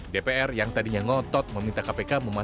dpr yang tadinya ngotot meminta kpk